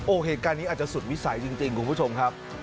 โอ้โหเหตุการณ์นี้อาจจะสุดวิสัยจริงคุณผู้ชมครับ